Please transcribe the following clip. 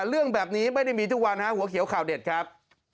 เรื่องแบบนี้ไม่ได้มีทุกวันฮะหัวเขียวข่าวเด็ดครับ